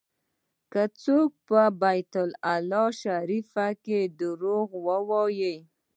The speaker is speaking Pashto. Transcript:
که څوک په بیت الله شریف کې دروغ ووایي.